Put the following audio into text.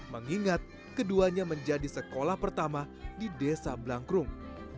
mengingat keduanya menjadi sekolah pertama di desa blangkrung